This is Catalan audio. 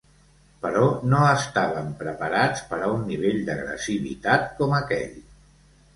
Però no estàvem preparats per a un nivell d’agressivitat com aquell.